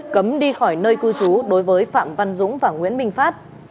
cấm đi khỏi nơi cư trú đối với phạm văn dũng và nguyễn minh phát